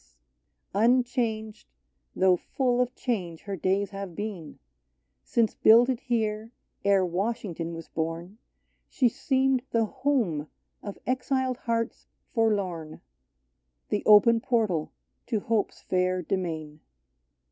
DAVIDS Unchanged, though full of change her days have been, Since builded here, ere Washington was born, She seemed the home of exiled hearts for lorn — The open portal to hope's fair demesne.